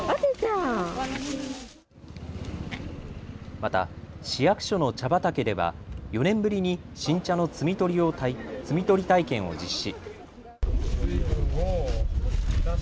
また市役所の茶畑では４年ぶりに新茶の摘み取り体験を実施。